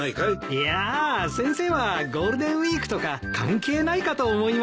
いや先生はゴールデンウィークとか関係ないかと思いまして。